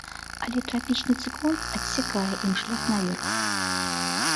Але трапічны цыклон адсякае ім шлях наверх.